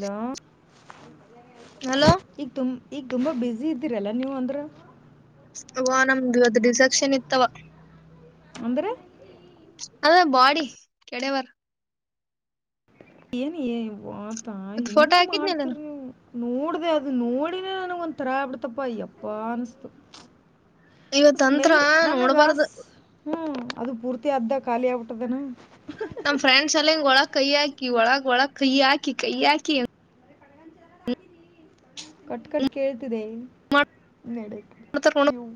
Hello. Hello ಈಗ ತುಮ. ಈಗ ತುಂಬಾ ಬಸಿ ಇದ್ದೀರಲ್ಲ ನೀವು ಅಂದ್ರೆ. ವಓ ನಮ್ದು ಅದ್ ಡಿಸಾಕ್ಷನ್ ಇತ್ತವ. ಅಂದ್ರ. ಅದ ಬಾಡಿ ಕೆಡವಾರ. ಏನ್. [unintelligible] ಏ ಯವ್ವ ತಾಯಿ ಇವತ್ ಫೋಟೋ ಹಿಂಗ್ ಮಾಡ್ತರ ಹಾಕಿದ್ನಲ್ಲ ನೀವು. ನೋಡ್ದ ಅದು ನೋಡಿನೇ ನನಗ ಒಂದ ತರಹಾಗಿ ಬಿಡ್ತಪ್ಪ ಯಪ್ಪಾ ಅನಿಸ್ತು. ಇವತ್ಂತ್ರ ಸ್ಮೆಲ್ ನನಗೆ ನೋಡ್ಬಾರ್ದ. ಹ್ಞೂ ಅದು ಪೂರ್ತಿ ಅ್ದ ಖಾಲಿ ಆಗ್ಬಿಟ್ಟದನ. ನಮ್ ಫ್ರೆಂಡ್ಸ್ ಎಲ್ಲ ಹಿಂಗಗೆ ಒಳಗೆ ಕೈ ಹಾಕಿ ಒಳಗ್ ಒಳಗ್ ಕೈ ಹಾಕಿ ಕೈ ಹಾಕಿ. ಕಟ್ಟ ಕಟ್ ಕೆ. ನಡೆ ಇವು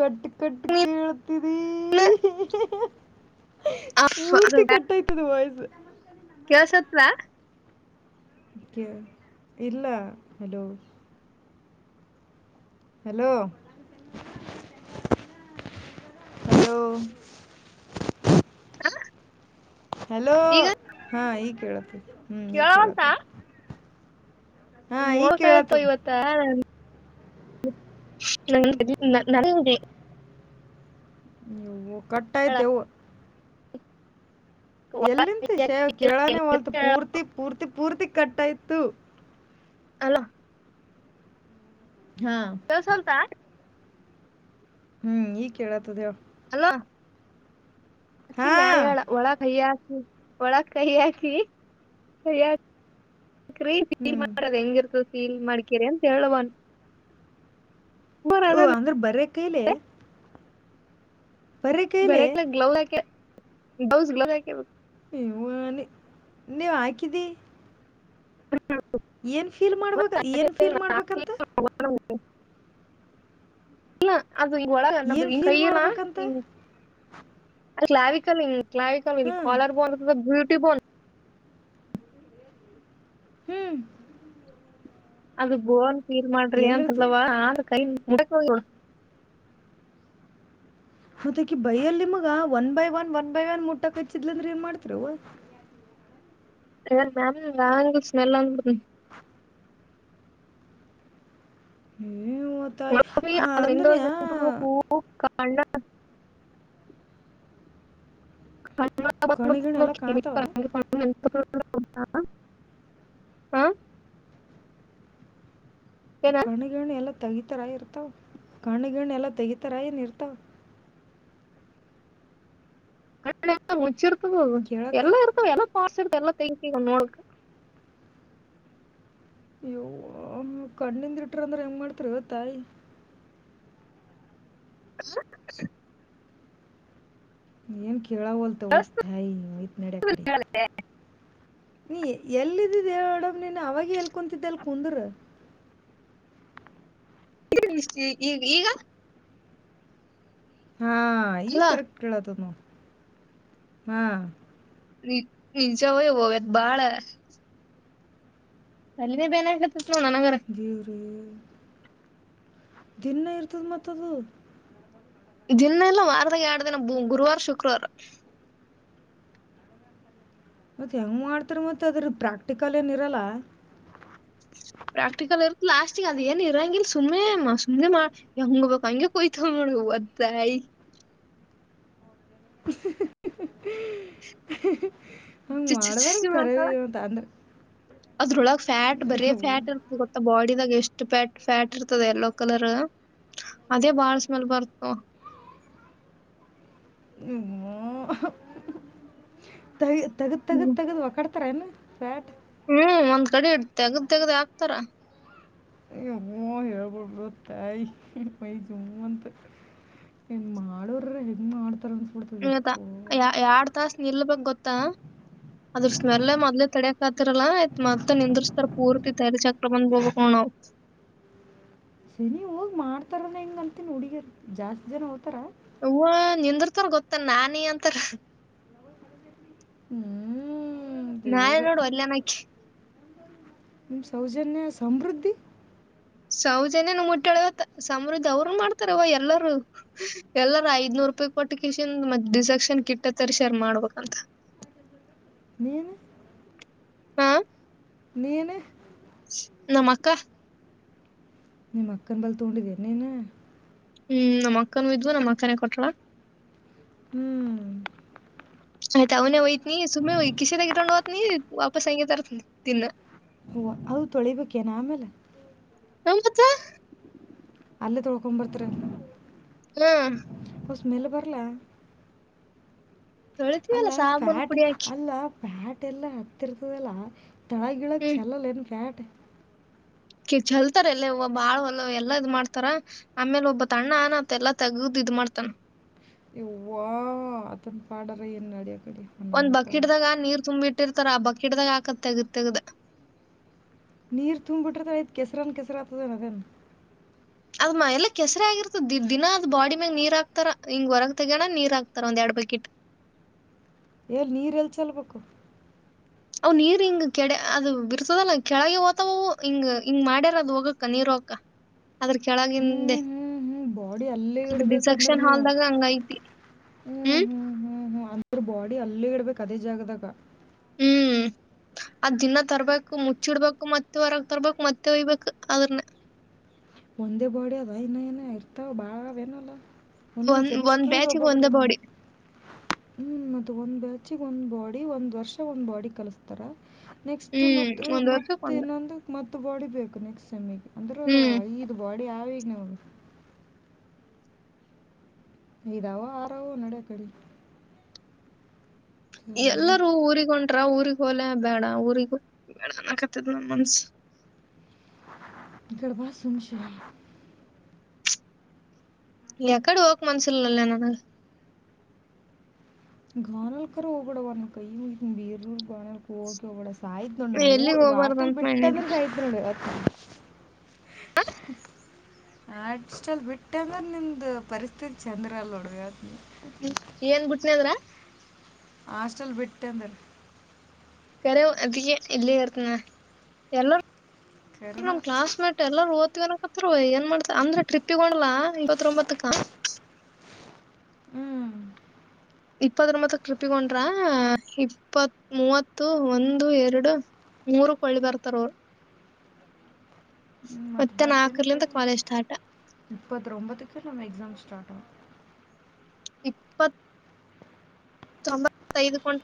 ಕಟ್ ಕಟ್ಟ ಕೇಳ್ತಿದೀ. [unintelligible] ಮೂರ್ತಿ ಕಟ್ಟಾಯ್ತದ ವಾಯ್ಸ್ ಹ ಕೆಳಸತ್ದಾ ಎ ಇಲ್ಲ ಹಲೋ ಹಲೋ ಹಲೋ ಹಲೋ ಈಗ ಹಾ ಈಗ್ ಕೇಳತದ ಹ್ಮ್ ಈಗ್ ಕೇಳತದ ಹೋಗ ಆಯ್ತು ಇವತ್ತ ನದೆ [inaudible] [unintelligible] ನೀವು ಕಟ್ಟಾಯಿತೆವು ಎಲ್ಲಿಂತ ಶೇವ್ ಕೇಳಾನೇ ಹೊಲ್ತ ಪೂರ್ತಿ ಪೂರ್ತಿ ಪೂರ್ತಿ ಕಟ್ಟಾಯ್ತು ಅಲೊ ಹಾ ಕೇಳ್ಸಲ್ತಾ ಹ್ಮ್ ಈಗ್ ಕೇಳತದ ಹೇಳ್ ಹಲೋ ಅಕ್ಕಿ ಹಾ ಮೇಲೆ ಅವಳ ಒಳಗೆ ಅಯ್ಯಾ ಒಳ ಕೈ ಹಾಕಿ ಕೈ [inaudible] ಕ್ರೀ ಹ್ಮ್ ಮಾಡದ ಹೆಂಗಿರ್ತದ ಫೀಲ್ ಮಾಡ್ಕೀರ ಅಂತ ಹೇಳವನ್ ಓಹ ಅಂದ್ರ ಬರೆ ಕೈಲೆ ಬರೇ ಕೈಲೆ ಬರಕಲ ಗ್ಲೌ [unintelligible] [inaudible] ಬೌಸ್ [inaudible] ಗಲ ನೀ ನೀವ್ ಹಾಕಿದಿ ಏನ್ ಫೀಲ್ ಮಾಡ್ಬ ಏನ್ ಫೀಲ್ ಮಾಡ್ಬೇಕಂತ ಇಲ್ಲ ಅದು ಈ ಒಳಗನ್ನದು ಏನ್ ಈ ಫೀಲ್ ಕೈಲ್ಲಾ ಮಾಡ್ಬೇಕಂತ ಅ [inaudible] ಲಾವಿಕ ನಿ್ ಕ್ಲ [unintelligible] ಹ್ಮ್ ಕಲರ್ ಬೋನ್ ಟಿಪನ್ ಹ್ಮ್ ಅದು ಬೋಲ್ ನೀರ್ ಮಾಡ್ರಿ ಎಲ್ಲಿರ್ತದ ಅಂತಲ್ವಾ ಆದ ಕೈ ಎಂದಕ್ಕು [unintelligible] ಮತಕಿ ಬೈಯಲ್ಲಿ ನಿಮಗ one by one one by one ಮುಟ್ಟ ಕಚ್ಚಿದ್ಲಂದ್ರ ಏನ್ ಮಾಡ್ತರವ್ವ ನ್ ಮ್ಯಾಮ ಯ ಸ್ಮೆಲ್ ಒಂದ ಹ್ಮ್ [inaudible] [unintelligible] ್ರಡ್ಬೇಕು ಅಣ್ಣ ಕಣ್ಣ ಕಣ್ಣು ಗಿಣ್ಣು ಎಲ್ಲ ಕಾಣ್ತಾವ [unintelligible] [inaudible] [unintelligible] ಹಾ ಕಣಗಣಿ ಎಲ್ಲ ತೆಗಿತರ ಇರ್ತಾವ್ ಕಣು ಗಿಣು ಎಲ್ಲ ತೆಗಿತರ ಏನ್ ಇರ್ತಾವ ಣ ಮುಚಿರ್ ದು ಕೇಳಕ್ಕೆ ಎಲ್ಲಾ ಇರ್ತವು ಪ ಎಲ್ಲ ತೇಗಿತಿವ್ ನೋಳ ಯವ್ವ ಕಣ್ಣಿಂದ ಇಟ್ರ ಅಂದ್ರ ಹೆಂಗ್ ಮಾಡ್ತರಿ ತಾಯಿ ಹ [inaudible] ಏನ್ ಕೇಳವಲ್ತ ಅವತಾಯಿ ಐತ ನಡಿ ಆ ಕಡೆ ನೀ ಎಲ್ಲಿದ್ದ ದೇವಡಮ ನೀನ್ ಅವಾಗ ಎಲ್ ಕುಂತಿದ್ದ ಅಲ್ ಕುಂದ್ರ [inaudible] ಈಗ ಈಗ ಹಾ ಈಗ ಅಲ್ಲಾ ಕರೆಕ್ಟ್ ಕೇಳತದ ನೋಡ್ ಹಾ ನಿ ನಿಜಾವ [unintelligible] ಬಾಳ ಅಲ್ಲಿನೇ ಬೇನ ಆಗ ದೇವ್ರೇ ದಿನ ಇರ್ತದ ಮತ್ತದು ದಿನ ಎಲ್ಲ ವಾರದಾಗ ಎರಡು ದಿನ ಗುರುವಾರ ಶುಕ್ರವಾರ ಮತ್ತೆ ಹೆಂಗ್ ಮಾಡ್ತಾರ ಮತ್ತೆ ಅದ್ರ ಪ್ರಾಕ್ಟಿಕಲ್ ಏನ್ ಇರಲ್ಲ ಪ್ರಾಕ್ಟಿಕಲ್ ಇರ್ತ್ ಲಾಸ್ಟಿಂಗ ಅದು ಏನ್ ಇರಂಗಲ್ ಸುಮ್ಮನೆ ಸುಮ್ನೆ ಮಾಡ ಹಂಗ ಬಬೇಕಕ್ ಹಂಗೆ ಕೊಯ್ತವ ಮಾಡ ಒದ್ದಾಯ ಹ ಹ [inaudible] ಚ [unintelligible] ಮಾಡ್ ಅಂದ್ರೆ ಅದ್ರೊಳಗ ಫ್ಯಾಟ್ ಬರೆ ಫ್ಯಾಟ್ ಇ ಗೊತ್ತ ಬಾಡಿ ಇದಾಗ ಎಷ್ಟು ್ಯಾಟ್ ಫ್ಯಾಟ್ ಇರ್ತದೆ ಎಲ್ಲೋ ಕಲರ್ ಅದೇ ಬಾಳ್ ಸ್ಮೆಲ್ ಬರ್ತು ನಿ್ಮ [unintelligible] ತಗ ತೆಗೆ ತಗದು ತಗ್ದದು ಒಕಡೆ ಹತ್ರನು ಫ್ಯಾಟ್ ಹ್ಮ್ ಒಂದ್ ಕಡೆ ಇ ತೆಗ್ದ್ ತೆಗ್ದ್ ಆಾಕ್ತಾರ ಹು ಹೇಳ್ಬಡ್ಬಿಡು ತಾಯಿ ಮೈ ಜುಮ್ ಅಂತತ್ ಹೆ ಇನ್ ಮಾಡರ ಹೆಂಗ ಮಾಡತ ಆ್ ಯ ಎರಡ್ ತಾಸ ನಿಲ್ಬೇಕ್ ಗೊತ್ತಾ ಅದ್ರ ಸ್ಮೆಲ್ಲ ಮದ್ಲೇ ತಡಿಯಕ್ ಆತಿರಲ್ಲಾ ಆಯ್ತ್ ಮತ್ತೆ ನಿಂದರ್ಸ್ತಾರ ಪೂರ್ತಿ ತೆಲಿ ಚಕ್ರ ಬಂದ್ಬೋಗಬೇಕ ನಾವ್ [inaudible] ಸರಿ ಹೋಗ್ ಮಾಡ್ತಾರ ಹೆಂಗ ಅಂತೀನಿ ಹುಡ್ಗೆರ್ ಜಾಸ್ತಿ ಜನ ಹೋಗ್ತಾರ ಅವ್ವಾ ನಿಂದ್ರತಾರ್ ಗೊತ್ತನ್ ನಾನಿ ಅಂತಾರ ಹ್ಮ್ ನಾನೆ ನೋಡುವಲ್ಲನಕಿ ನಿಮ್ ಸೌಜನ್ಯ ಸಮೃದ್ಧಿ ಸೌಜನ್ಯನ್ ಮುಟ್ಟಲಿಗತ್ ಸಮೃದ್ಧಿ ಅವರು ಮಾಡ್ತಾರವ ಎಲ್ಲಾರೂ ಎಲ್ಲಾರ ಐದ್ನೂರು ರೂಪಾಯಿ ಕೊಟ್ಟಕ್ಕೆನ್ ಮ ಡಿಸಾಕ್ಷನ್ ಕಿಟ್ಟತ್ತರಿ ಶರ್ ಮಾಡ್ಬೇಕಂತ ನೀನು ಹಾ ನೀನು ನಮ್ಮಕ್ಕ ನಿಮ್ಮ ಅಕ್ಕನ್ ಬಲ್ ತಗೊಂಡಿದ್ಯಾ ನೀನು ಹ್ಮ್ ನಮ್ಮ್ ಅಕ್ಕನ ಇದ್ವು ನಮ್ಮ್ ಅಕ್ಕನೇ ಕೊಟ್ರ ಹ್ಮ್ ಆಯ್ತ ಅವನೇ ವೈ ನೀ ಸುಮ್ನೆ ವೈಕಿಸಿದಾಗ್ ಇಟ್ಕೊಂಡ ಹೋತ್ನಿ ವಾಪಸ್ [unintelligible] ಹಓ ಅವ ತೊಳಿಬೇಕೇನ ಆಮೇಲೆ ಹತ್ತ [unintelligible] ಅಲ್ಲೇ ತೊಳಕೊಂಬರ್ತ್ರ ಹ್ಮ್ ಸ್ಮೆಲ್ ಬರಲ ತೊಳಿತವಿ ಅಲ್ಲ ಸಾಬೂನ್ ಪುಡಿ ಹಾಕಿ ಪ್ಯಾಟ್ ಎಲ್ಲಾ ಹತ್ತಿರ್ತದಲ್ಲ ತಳ ಗಿಳಕ್ ಹ್ಮ್. ಚೆಲ್ ಏನ್ ಫ್ಯಾಟ್ ಹೊಟ್ಟೆ ಕಿ ಚಲ್ತಾರ ಎಲ್ಲೇ ಒಬ ಬಾಳ ಹೊಲ್ಲ ಎಲ್ಲಾ ಇದ್ ಮಾಡ್ತಾರ ಆಮೇಲೆ ಒಬ್ಬ ತಣ್ಣ ಅನತ್ ಎಲ್ಲಾ ತೆಗದ್ ಇದ್ ಮಾಡ್ತಾನ ಯವ್ವ ಅತನ್ ಪಾಡರ ಎನ್ನಡಿಯ ಒಂದ್ ಬಕೆಟ್ ದಾಗ ನೀರ್ ತುಂಬಿಟ್ಟ ಬಿಟ್ಟಿರ್ತಾರ ಹ ಬ್ಬಕಿಡ್ದಾಗ ಹಾಕತ್ ತೆಗದ ತೆಗ್ದ ನೀರ್ ತುಂಬಿಟ್ರದ ಕೆಸರನ್ ಕೆಸರಾತದೆ ನದನ್ ಅದ್ಮ ಎಲ್ಲ ಕೆಸರ ಆಗಿರ್ತದ ದ ದಿನಾ ಅದ್ ಬಾಡಿ ಮ್ಯಾಗ ನೀರಾಕ್ತರ ಹಿಂಗ್ ಹೊರಗ ತಗೋಣ ನೀರ್ ಹಾಕ್ತಾರ ಒಂದ್ ಎರಡ್ ಬಕೆಟ್ ಎಲ್ ನೀರ್ ಎಲ್ ಚಲ್ಬೇಕು ಅವ ನೀರ್ ಹಿಂಗ ಕೆಡೆ ಅದು ಬಿರ್ತದಲ್ಲ ಕೆಳಗೆ ಹೋತದವು ಹಿಂಗ ಹಿಂಗ್ ಮಾಡ್ಯಾರ ಅದ ಹೋಗಕ್ಕ ನೀರ್ ಹೋಗಕ್ಕ ಅದ್ರ ಕೆಳಗಿಂದೆ ಹ್ಮ್ ಹ್ಮ್ ಹ್ಮ್ ಬಾಡಿ ಅಲ್ಲೇ ಅದ್ ಇಡ್ಬೇಕಂದ್ರೆ ಡಿಸೆಕ್ಷನ್ ನೀವು ಹಾಲ್ದಾಗ ಹಂಗ ಐತಿ ಹ್ಮ್ ಹ್ಮ್ ಹ್ಮ್ ಹ್ಮ್ ಅಂದ್ರೆ ಬಾಡಿ ಅಲ್ಲೇ ಇಡ ಅದೇ ಜಾಗದಾಗ ಹ್ಮ್ ಅದ ದಿನ ತರ್ಬೇಕು ಮುಚ್ಚಿಡ್ಬೇಕು ಮತ್ತೆ ಹೊರಗ್ ತರ್ಬೇಕು ಮತ್ತೆ ಒಯ್ಬೇಕು ಅದನ್ನ ಒಂದೇ ಬಾಡಿ ಅದ ಇನ್ನ ಏನ ಇರ್ತಾವ ಬಾಳವೆನಲ್ಲ ಒಂದೊಂದ್ ಒಂದ್ ಒಂದ್ ಸೆಮಿಸ್ಟ್ರಗ್ ಬ್ಯಾಚಿಗೆ ಒಂದೇ ಒಬ್ಬಬ್ರಗ ಬಾಡಿ ಒಂದು ಹ್ಮ ಮತ್ತೆ ಒಂದ್ ಬೆಳಚಿಗೆ ಒಂದ್ ಬಾಡಿ ಒಂದ್ ವರ್ಷ ಒಂದ್ ಬಾಡಿ ಕಲಸ್ತಾರ ನೆಕ್ಸ್ಟ್ ಹ್ಮ್ ಮತ್ತು ಒಂದ್ ವರ್ಷಕ್ ಒಂದ್ ಮತ್ತೇನಂದು ಮ ಬಾಡಿಬೇಕು ನೆಕ್ಸ್ಟ್ ಸೆಮಿಗೆ ಅಂದರೂ ಹ್ಮ್ ಐದು ಬಾಡಿ ಆ [inaudible] ಹೈದವ ಹಾರವೋ ನಡ ಕಡಿ ಎಲ್ಲರೂ ಊರಿಗೊಂಟರ ಊರಿಗ್ ಹೊಲ ಬೇಡ ಊರಿಗೂ ಬೇಡಕತ್ತದ ನಮ್ಮ್ ಮನ್ಸ ಇರ್ ಬಾರ ಸುಮಶ ಎಕಡೆ ಹಕ ಮನುಷಲಲ್ಲ ನನ ಗಾನ ಕರ ಗಡ ಅವ ಕೈ ಬೀ ಗಾನೆಲ್ ಕಕ ಒಗಡ ಆಾಯ್ತ್ ನೋ್ಣ ಊ ಎಲ್ಲಿಗ್ ವಾಸ್ಟಲ್ ಹೋಗ್ಬಾರ್ದಂತ ಮಾಡಿನಿ ಬಿಟ್ಟಂದ್ರೆ ಸಾಯ್ತ್ ನೋತ್ತ ಅಷ್ಟಲ್ ಬಿಟ್ಟ ಅಂದ್ರೆ ನಿಮ್ದ ಪರಿಸ್ಥಿತಿ ಚಂದ್ರ ಅಲ್ ಹುಡ್ಗ ಏನ್ ಬಿುಟ್ನದ್ರ [unintelligible] ಹಾಸ್ಟಲ್ ಬಿಟ್ಟ ಅಂದ್ರ ಬರ ಅ ಇಲ್ಲೇಕ ಎಲ್ಲ ಕರೆನ ನಮ್ ಕ್ಲಾಸ್ ಮೇಟ್ ಎಲ್ಲಾರೂ ಓದ್ತವಿ ನ ಇಪ್ಪತ್ ರೂಪಾಯಿ ಏನ್ ಮಾಡ್ತ ಅಂದ್ರೆ ಟ್ರಿಪ್ಪಿಗೊಂಡ್ಲಾ ಇಪ್ಪತ್ೊಂಬತ್ತಕ್ಕ [inaudible] ಹ್ಞೂ ಇಪ್ಪತ್ತರ ಮತ್ತ ಕೃಪಿಕೊಂಡ್ರ ಇಪ್ಪತ್ ಮೂವತ್ತು ಒಂದು ಎರಡು ಮೂರುಳಿ ಬರ್ತಾರ ಅವರು ಹ್ಮ್ ಮತ್ತೆ ಬರ್ತೇನೆ ನಾಲ್ಕರ್ಲಿಂದ ಕಡೆ ಕಾಲೇಜ್ ಸ್ಟಾರ್ಟ್ ಇಪ್ಪತ್ ಒಂಬತ್ತಕ್ಕೂ ನಮ್ಮ್ ಎಕ್ಸಾಮ್ ಸ್ಟಾರ್ಟ್ ಹ [unintelligible] ಇಪ್ಪತ್ತು ತೊಂಬತ್ತೈದುಕೊಂಡ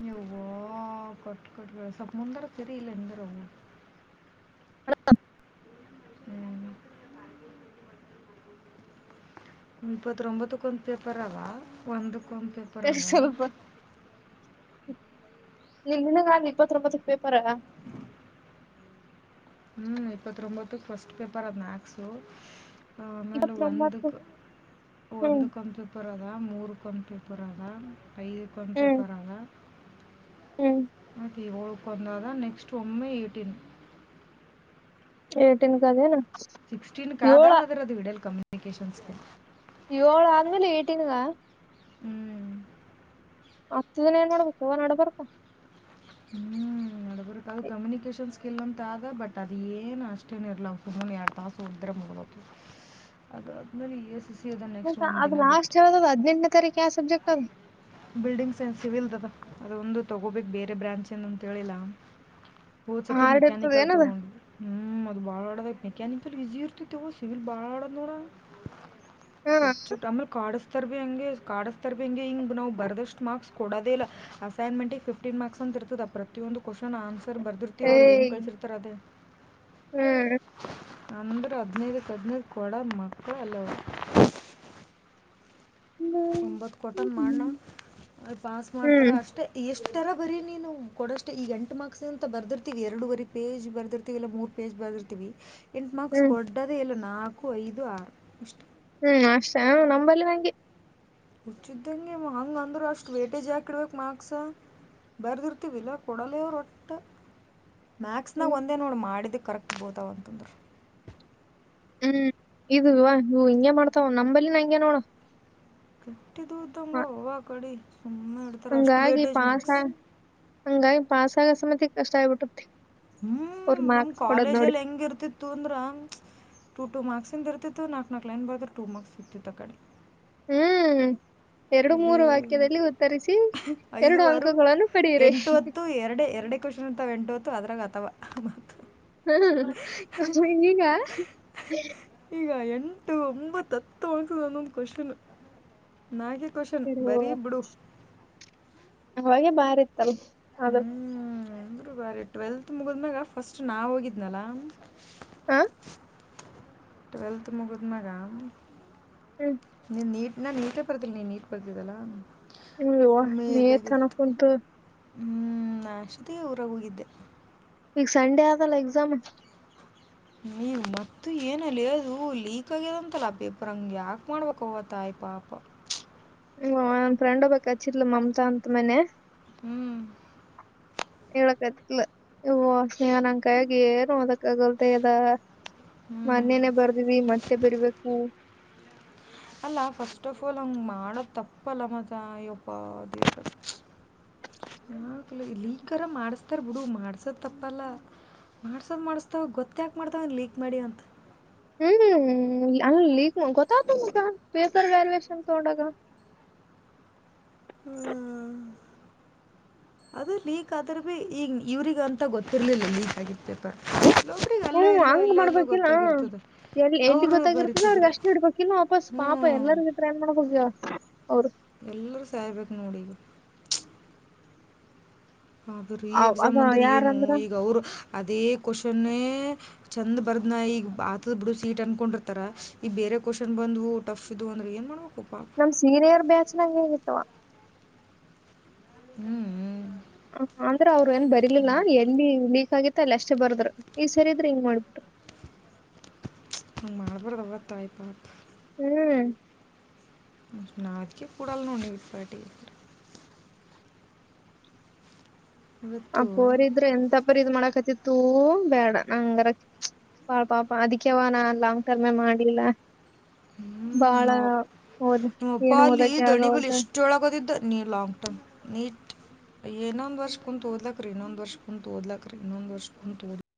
ಹ್ಮ [unintelligible] ಹ ಕಟ್ ಕಟ್ ಸ ಮುಂದರ ಸರಿಲ್ಲ ಹರ ಅವ [inaudible] ಹ [unintelligible] ಹ್ಮ್ [unintelligible] ಇಪ್ಪತ್ೊಂಬತ್ತಕ್ ಒಂದು ಪೇಪರ್ವಾ ಒಂದು [inaudible] ಕನ್ ಪೇಪರ್ವಾ [unintelligible] ನೀನ್ನಗಾ ಇಪ್ಪತ್ ರೂಪತ್ ಪೇಪರ ಹ್ಮ್ ಇಪ್ಪತ್ಂಬತ್ತು ಫಸ್ಟ್ ಪೇಪರ್ ಅ ಮಕ್ಸು [unintelligible] ಆಮೇಲೆ ಇಪ್ಪತ್ತೊಂಬತ್ತು ಒಂದಕ್ ಹ್ಮ್ ಒಂದು ಕಂಪೂಪರ್ ಅದ ಮೂರ್ [inaudible] ಕಂಪಿಪುರದ [inaudible] ಐದು ಕೊಂದುಪ ಹ್ಮ್ ಬರಾಗ [inaudible] ಹ್ಮ್ ಅೆ ಹಳ್ಕೊಂದ ನೆಕ್ಸ್ಟ್ ಒಮ್ಮೆ ಏಟೀನ್ ಏಟನ್ ಕದನಾ ಏಳ [inaudible] ಕಮ್ಯೂನಿಕೇಶನ್ಸ್ಗೆ [unintelligible] ಏಳು ಆರ್ಮೇಲೆ ಏಟಿನದ [inaudible] ಹ್ಮ್ ಹತ್ತು ದಿನ ಏನ್ ಮಾಡ್ಬೇಕು ಯವ ನಡಬಾರತ್ತಾ [inaudible] ಹ್ಮ್ ನಡ್ಬರ್ಕ್ ಅದು ಕಮ್ಯುನಿಕೇಶನ್ ಸ್ಕಿಲ್ ಅಂತ ಆದ ಬಟ್ ಅದ ಏನ್ ಅಷ್ಟೇನ ಇರ್ಲ ಪುನ್ ಎರಡ್ ತಾಸ ಹೊೋಡಿದ್ರೆ ಮುಡ್ಬು ಅದಾದ್ಮೇಲೆ ಸಿ ಅದ ನೆಕ್ಸ್ಟ್ ಒಂದು ಅದು ದಿನ ಬಿಟ್ಟು ಲಾಸ್ಟ್ ಹೇಳದ್ ಹದೆಂಟನೇ ತೀಕ ಆ ಸಬ್ಜೆಕ್ಟ್ ಹ [inaudible] ಬಿಲ್ಡಿಂಗ್ಸ್ ಏ ಸಿವಿಲ್ದದ ಅದೊಂದು ತಗೋಬೇಕಕ್ ಬೇರೆ ಬ್ರಾಂಚಚ್ ಏನ ಅಂತೇಳಿಲ್ಲ [unintelligible] ಪೂರ್ ಸತಿ ಹಾರ್ಡ್ ಇರ್ತದ ಮೆಕ್ಯಾನಿಕಲ್ ಏನದ ತೊಗೊಂಡ್ ಹ್ಮ್ ಅದು ಭಾಳ್ಾಡದ [unintelligible] ಮೆಕ್ಯಾನಿಕಲ್ಲಿ ಬಿಸಿಿ ಇರ್ತಿತೆವು ಸಿವಿಲ್ ಭಾಳ ಆಡೋ್ ನೋಡ [unintelligible] ಹ್ಮ ಸ ನಮ ಕಾಡಸ್ತರ್ ಹ ಎಂಂಗೆ ಕಾರ್ಡ್ ಸ್ತರ ಪ ಹ ಎಂಗಗೆ ಇಂಗ ಬವು ಬ ಬರ್ದಷ್ಟು ಮಾರ್ಕ್ಸ್ ಕೊಡೋದ ಇಲ್ಲ ಅಸೈನ್ಮೆಂಟ್ ಫಿಫ್ಟೀನ್ ಮಾರ್ಕ್ಸ್ ಅಂತ ಇರ್ತದ ಪ್ರತಿಯೊಂದು ಕ್ವನ್ ಆನ್ಸರ್ [unintelligible] ಸರ್ ಬರ್ದಿರ್ತಿೀವಿ ಅವರು ಏನ್ ಏಯ್ ಕಳ್ಸಿರ್ತಾರ ಅದೇ ಹ್ಮ್ [unintelligible] ಅಂದ್ರೆ ಹದ್ಿನೈದಕ್ಕೆ ಹದಿನೈದು ಕೊಡ ಮಕ್ಕಳು ಅಲ್ಲ [unintelligible] ಒಂಬತ್ ಕೊಟನ್ ಮಾಡಣ ಅ ಪಾಸ್ ಮಾಡ್ತಾರ ಹ್ಮ್ ಅಷ್ಟೇ ಎಷ್ಟರ ಬರ ನೀನು [unintelligible] ಕೊಡಷ್ಟೇ ಈಗ ಎಂಟು ಮಾರ್ಕ್ಸ್ ಅಂತ ಬರ್ದಿರ್ತಿವಿ ಎರಡುವರೆ ಪೇಜ್ ಬರ್ದಿರ್ತಿವಿ ಇಲ್ಲಾ ಮೂರ್ ಪೇಜ್ ಬರ್ದಿರ್ತಿವಿ ಇಂಟ್ ಮಾರ್ಕ್ಸ್ ಹ್ಮ್ ಕೊಡ್ಡದೇ ಇಲ್ಲ ನಾಲ್ಕು ಐದು ಆರು ಅಷ್ಟು ಹ್ಮ್ ಅಷ್ಟ ಹ ನಂಬಲ್ಲಿ ಹಂಗೆ ಹುಚ್ಚಿದ್ದಂಗೆ ಹಂಗ ಅಂದ್ರ ಅಷ್ಟ್ ವೇಟೇಜ್ ಹಾಕ ಇಡ್ಬೇಕಕ್ ಮಾರ್ಕ್ಸ ಬರ್ದಿರ್ತಿವಿ ಇಲ್ಲಾ ಕೊಡಲೇವರು ಒಟ್ಟ ಮ್ಯಾಕ್ಸ್ ನ ಹ್ಮ್ ಒಂದೇ ನೋಡ್ ಮಾಡಿದ್ದು ಕರೆಕ್ಟ್ ಬೋತಾಾವಂತುಂದರು [unintelligible] ಹ್ಮ್ ಇುವ ಹಿಂಗೆ ಮಾಡ್ತಾವ ನಂಬಲ್ಲಿ ನ ಹಂಂಗಗೆ ನೋಡ [unintelligible] ಹ ಮಟ್ಟಿ ದೂಧ ದಂಗ ಹಾಗ ಕಡಿ ಸುಮ್ಮನೆ ಇಡ್ತಾರೆ ಅಷ್ಟು ಹಂಗಾಗಿ ವೇಟೇಜ್ ಪಾಸ್ ಮಾರ್ಕ್ಸ್ ಆ ಹಂಗಾಗಿ ಪಾಸ್ ಆಗೋ ಸಮೇತಿ ಕಷ್ಟ ಆಗಬಿಟ್ಟತ್ತತಿ ಹ್ಮ್ ನಮ್ ಕಾಲೇಜಲ್ಲಿ ಹೆಂಗ ಇರ್ತಿತ್ತು ಅಂದ್ರ ಟ ಟ ಮಾರ್ಕ್ಸಿಂದ ಬರ್ತಿತ್ತು ನಾಕ ನಲ್ಕಕ್ ಲೈನ್ ಬರ್ ಟು ಮಾರ್ಕ್ ಸಿಗ್ತಿತ್ತು ಕಡೆ [inaudible] ಹ್ಮ್ ಎರಡು ಇಲ್ಲಿ ಮೂರು ವಾಕ್ಯದಲ್ಲಿ ಉತ್ತರಿಸಿ ಐದ ಎರಡು ಆಾರ ಅಂಕಗಳನ್ನು ಪಡೆಯಿರಿ ಎಂಟ ಹೊತ್ತು ಎರಡೆ ಎರಡೆ ಕ್ವಶನ್ ಇರ್ತಾವ ಎಂಟು ಹೊತ್ತು ಅದ್ರಾಗ ಆತ ತವಾ ಮತ್ತು ಹ ಕಮ್ಮಗ ನೀನಾ ಈಗ ಎಂಟು ಒಂಬತ್ತು ಹತ್ತು ಮಾರ್ಕ್ಸ್ ಒಂದು ಒಂದು ಕುಶನ್ ನಾಗೆ ಕವಷನ್ ಇದು ಬರೀ ಬಿಡು ಅವಾಗೆ ಬಾರಿ ಇತ್ತಲ್ ಹೌದೇ ಅಂದರು ಬಾರಿ ಟ್ವೆಲ್ತ್ ಮುಗಿದ್ಮ್ಯಾಗ ಫಸ್ಟ್ ನಾವು ಹೋಗಿದ್ನಲ್ಲ ಹಾ ಟ್ವೆಲ್ತ್ ಮುಗಿದನಾಗ ಹ್ಮ್ ನಿ ನೀಟ್ ನಾನ್ ನೀಟೇ ಬರ್ತೀನಿ ನೀ ನೀಟ್ ಬರ್ತಿದ್ದಲ್ಲಾ ಹ ನೀ ತನಕಂತು ಹ್ಮ್ ಅಷ್ಟೇ ಊರ ಹೋಗಿದ್ದೆ ಈಗ ಸಂಡೇ ಆಡ್ಲಾ ಎಕ್ಸಾಮ್ ನೀ ಮತ್ತ ಏನಲ್ಲಿ ಅದು ಲೀಕ್ ಆಗ್ಯದಂತಲ್ಲ ಪೇಪರ್ ಹಂಗ ಯಾಕ ಮಾಡ್ಬೇಕ ಅವವತ್ತಾಯ್ ಪಾಪ ಹ ನನ್ ಫ್ರಂಡ್ ಹೋಗ್ಬೇಕಕ್ ಹಚ್ಚಿರ್ಲ ಮಮ್ತಾ ಅಂತ ಮನೆ ಹ್ಞೂ ಹೇಳಕಲ ಇ ಸ್ನೇಹ ನಂಗ ಕಾಯಾಗಿ ಏ ಅದ ಗಲ್ತ ಅದ ಹ್ಞೂ ಮೊನ್ನೇನೆೇ ಬರ್ದವಿ ಮತ್ತೆ ಬರ್ಬೇಕು ಅಲ್ಲ ಫಸ್ಟ್ ಆಫ್ ಆಲ್ ಅವಂಗ ಮಾಡದ್ ತಪ್ಪಲ್ಲ ಮತ್ತ ಇಯ್ಯಪ್ಪ ದೇವ್ರೆ ಯಾಕೆ ಲೀಕ್ರ ಮಾಡಸ್ತಾರ ಬಿಡು ಮಾಡ್ಸದ್ ತಪ್ಪಲ್ಲ ಮಾಡ್ಸೋದ್ ಮಾಡಸ್ತಾವ ಗೊತ್ತಾಕ್ ಮಾಡ್ತಾವ ಲೀಕ್ ಮಾಡಿ ಅಂತ ಹ್ಮ್ ಹ್ಮ್ ಅ ಲಕ್ ಗತ್ತತಗ ಪೇಪರ್ ವ್ಯಾಾಲಷನ್ ತೋಡಗ ಹ್ಮ್ ಅದ ಲಕ್ ಆದ್ರ ಭೀ ಈಗ ಇವ್ರಿಗೆ ಅಂತ ಗೊತ್ತಿರ್ಲಿಲ್ಲ ಲಕ್ ಆಗಿದ ಪಾಪೆ ಹ್ಮ್ ಹಂಗ್ ಮಾಡ್ಬೇಕಿಲ್ಲ ಎಲ್ಲಿ ಎಲ್ಲಿ ಅವರು ಗೊತ್ತಾಗಿರ್ಬೇಕದ ಅವ್ರಗ ಬರಿತಿದ್ರು ಅಷ್ಟೇ ಇಡ್ಬೇಕಿಲ್ಲ ವಾಪಸ್ ಹ್ಞೂ ಪಾಪ ಎಲ್ಲರಿಗ ಇದ ಏನ್ ಮಾಡ್ಬೇಕಗ ಅವರು ಎಲ್ರ ಸಾಯಬೇಕು ನೋಡಿ ಈಗ ಅದು ರೀ ಅವ್- ಅದ ಎಕ್ಸಾಮ್ ಅಂದ್ರೆ ಏನು ಯಾರಂದ್ರ ಈಗ ಅವರು ಅದೇ ಕ್ವನ್ [unintelligible] ಚೆಂದ ಬರ್ದ್ನ ಈಗ ಆತದ ಬಿಡು ಸೀಟ್ ಅನ್ಕೊಂಡಿರ್ತಾರ ಈಗ ಬೇರೆ ಕ್ವನ್ ಬಂದು ಟಫ್ ಇದು ಅಂದ್ರೆ ಏನ್ ಮಾಡು ನಮ್ ಸೀರಿಯರ್ ಬ್ಯಾಚ್ ನಾಗ ಹೇಗಿತ್ತವ ಹ್ಮ್ ಹ್ಮ್ ಹ ಅಂದ್ರ ಅವ್ರು ಏನ್ ಬರ್ಲಿಲ್ಲ ಎಂಬೆ ಲೀಕ್ ಆಗಿ ಮತ್ತಲ್ಲ ಅಷ್ಟೇ ಬರ್ದ್ರ ಈ್ ಸರಿ ಇದ್ರೆ ಹಿಂಗ್ ಮಾಡ್ಬಿಟ್ರ ಹ್ ಮಾರ್ಬರದ ತಾಯ್ಪಾ ಹ್ಮ್ ನಕ ಪೂಡ ಅಲ್ಲ ನೋಡಿವಿಪಾರಟ ಆ ಇವತ್ತು ಪೋರ್ ಇದ್ರೆ ಎಂಂತಪರ್ ಇದ್ ಮಾಡಕತ್ತತ್ ತೂ ಬೇಡ ನಂಗರಾ ಪಾಪ ಅದಕ್ಕೆ್ಯವ ನಾ ಲಾಂಗ್ ಟರ್ಮೇ ಮಾಡಿಲ್ಲ ಹ್ಮ್ ನಮ್ಮ್ ನಿಮ್ಮ ಅಪ್ಪ ಏನು ಅಲ್ಲಿ ಓದಕ್ಕೆ ದಣಿ ಆಗವಲ್ದು ಬಲ್ಲಿ ಎಷ್ಟೊಳಗತ್ತಿದ್ದ ನೀ ಲಾಂಗ್ ಟರ್ಮ್ ನೀ ಏನೊಂದ್ ವರ್ಷ ಕು್ ತೋದ್ಲಕ್ರೀ ಇನ್ನೊಂದ್ ವರ್ಷ ಕು ತೋದ್ಲಕ್ರೀ ಇನ್ನೊಂದ ವರ್ಷ ಕು ತೋದ್ಲ